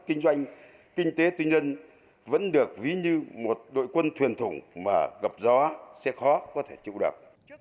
kinh doanh kinh tế tư nhân vẫn được ví như một đội quân thuyền thủng mà gặp gió sẽ khó có thể chịu được